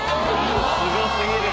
すごすぎる。